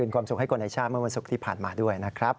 ความสุขให้คนในชาติเมื่อวันศุกร์ที่ผ่านมาด้วยนะครับ